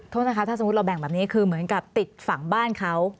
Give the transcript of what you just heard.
โทษนะคะถ้าสมมุติเราแบ่งแบบนี้คือเหมือนกับติดฝั่งบ้านเขา